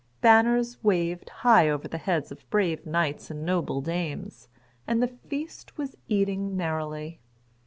[Pg 28] Banners waved high over the heads of brave knights and noble dames, and the "feast was eating merrilie."